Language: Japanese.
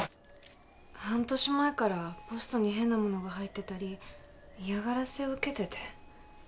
半年前からポストに変なものが入ってたり嫌がらせを受けてて。